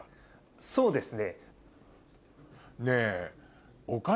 そうですね。ねぇ。